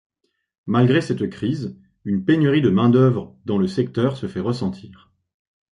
Malgré cette crise, une pénurie de main-d'œuvre dans le secteur se fait ressentir.